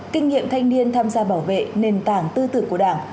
kinh nghiệm thanh niên tham gia bảo vệ nền tảng tư tưởng của đảng